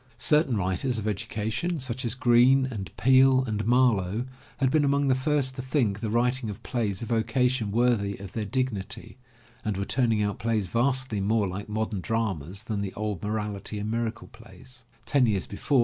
Certain writers of education, such as 158 THE LATCH KEY Greene and Peele and Marlowe, had been among the first to think the writing of plays a vocation worthy of their dignity, and were turning out plays vastly more like modern dramas than the old morality and miracle plays. Ten years before.